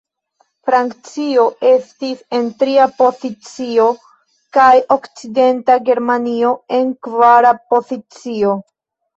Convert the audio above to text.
Francio estis en tria pozicio, kaj Okcidenta Germanio en kvara pozicio.